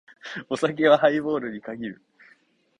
お酒はハイボールに限る。